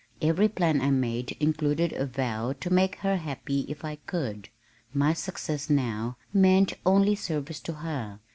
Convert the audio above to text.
Every plan I made included a vow to make her happy if I could. My success now meant only service to her.